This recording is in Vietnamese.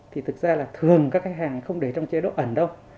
thì thực ra là thường các khách hàng không để trong chế độ ẩn đâu